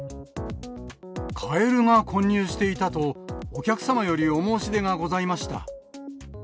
カエルが混入していたと、お客様よりお申し出がございました。